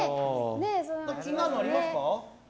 気になるのありますか？